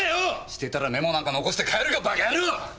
してたらメモなんか残して帰るか馬鹿野郎！